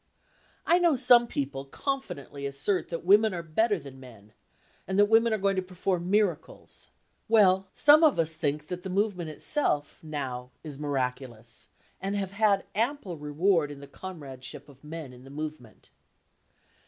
I know some people confidently assert that women are better than men, and that women are going to perform miracles. Well, some of us think that the movement itself, now, is miraculous, and have had ample reward in the comradeship of men in the movement.